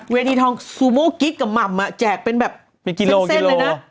เวทีทองสูโมกิ๊กกับหม่ำอะแจกเป็นแบบเส้นเลยนะ